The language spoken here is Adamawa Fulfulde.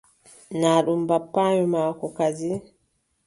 Naa ɗum bappaayo maako kadi na.